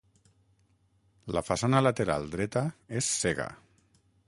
La façana lateral dreta és cega.